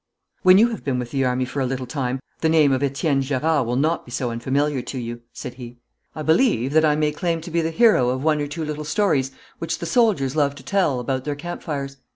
'When you have been with the army for a little time the name of Etienne Gerard will not be so unfamiliar to you,' said he. 'I believe that I may claim to be the hero of one or two little stories which the soldiers love to tell about their camp fires.